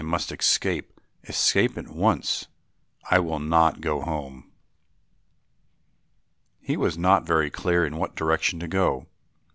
I must escape, escape at once; I will not go home." He was not very clear in what direction to go.